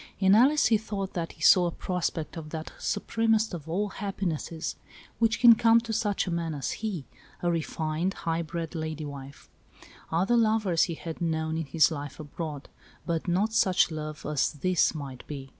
In Alice he thought that he saw a prospect of that supremest of all happinesses, which can come to such a man as he — a refined, high bred lady wife. Other loves he had known in his life abroad, but not such love as this might be.